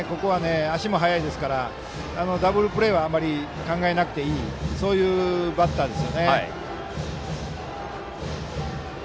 足も速いので、ダブルプレーはあまり考えなくていいそういうバッターです。